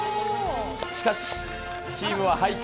しかし、チームは敗退。